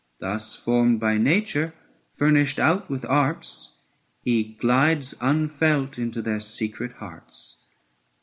Thus formed by nature, furnished out with arts, He glides unfelt into their secret hearts.